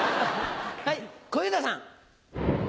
はい小遊三さん。